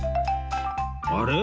あれ？